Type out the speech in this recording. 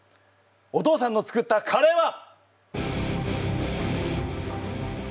お父さんの作ったカレーは！